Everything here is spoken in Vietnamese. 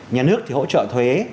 nhà nước thì hỗ trợ thuế